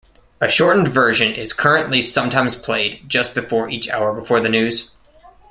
A shortened version is currently sometimes played just before each hour before the news.